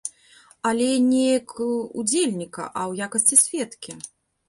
Але не як удзельніка, а ў якасці сведкі.